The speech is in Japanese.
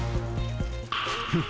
フッ。